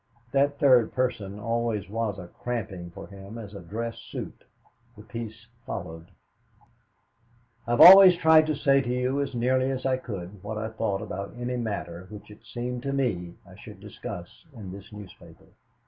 That third person always was a cramping for him as a dress suit." The piece followed. "I have always tried to say to you as nearly as I could what I thought about any matter which it seemed to me I should discuss in this newspaper.